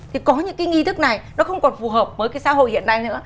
thì có những cái nghi thức này nó không còn phù hợp với cái xã hội hiện nay nữa